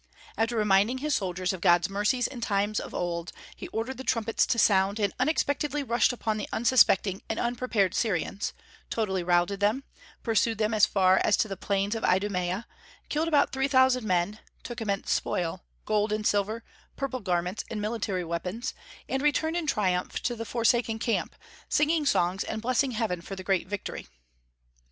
After reminding his soldiers of God's mercies in times of old, he ordered the trumpets to sound, and unexpectedly rushed upon the unsuspecting and unprepared Syrians, totally routed them, pursued them as far as to the plains of Idumaea, killed about three thousand men, took immense spoil, gold and silver, purple garments and military weapons, and returned in triumph to the forsaken camp, singing songs and blessing Heaven for the great victory.